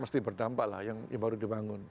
pasti berdampak lah yang baru dibangun